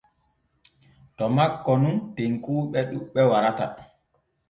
To makko nun tenkuuɓe ɗuɓɓe warata.